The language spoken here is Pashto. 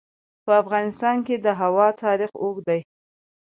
په افغانستان کې د هوا تاریخ اوږد دی.